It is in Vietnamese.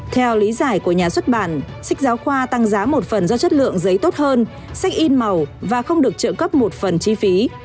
theo lý giải của nhà xuất bản sách giáo khoa tăng giá một phần do chất lượng giấy tốt hơn sách in màu và không được trợ cấp một phần chi phí